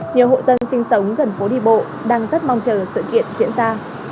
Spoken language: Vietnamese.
nhiều hộ dân sinh sống gần phố đi bộ đang rất mong chờ sự kiện diễn ra